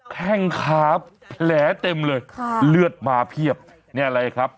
แข้งขาแหลเต็มเลยค่ะเลือดมาเพียบเนี่ยอะไรครับ